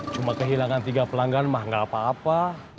cuma kehilangan tiga pelanggan mah gak apa apa